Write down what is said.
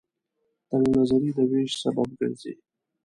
تنگ نظرۍ د وېش سبب ګرځي.